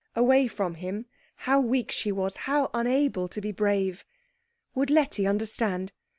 Away from him, how weak she was, how unable to be brave. Would Letty understand?